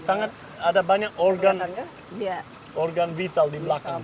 sangat ada banyak organ vital di belakang